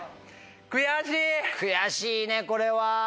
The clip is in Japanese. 悔しいねこれは。